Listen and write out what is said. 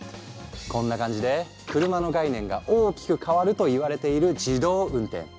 こんな感じで車の概念が大きく変わるといわれている自動運転。